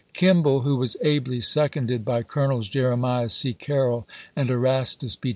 Kim ball, ^vho was ably seconded by Colonels Jeremiah C. Carroll and Erastus B.